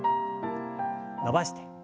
伸ばして。